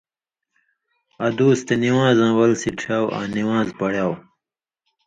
اَدُوس تے نِوان٘زاں وَل سِچھیاؤ، آں نِوان٘ز پڑیاؤ۔